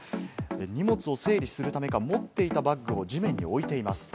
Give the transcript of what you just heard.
荷物を整理するためか、持っていたバッグを地面に置いています。